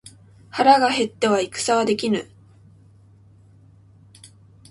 腹が減っては戦はできぬ。